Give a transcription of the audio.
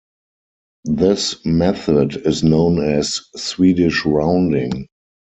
This method is known as "Swedish rounding".